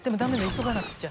急がなくちゃ。